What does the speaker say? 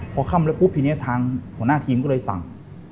พอค่ำแล้วปุ๊บทีนี้ทางหัวหน้าทีมก็เลยสั่ง